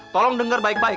tolong denger baik baik